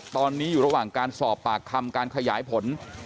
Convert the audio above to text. ตอนนี้อยู่ระหว่างการสอบปากคำการขยายผล